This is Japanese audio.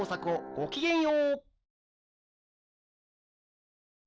ごきげんよう！